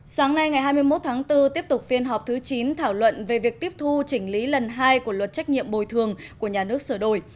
sáng nay ngày hai mươi một tháng bốn tiếp tục phiên họp thứ chín thảo luận về việc tiếp thu chỉnh lý lần hai của luật trách nhiệm bồi thường của nhà nước sửa đổi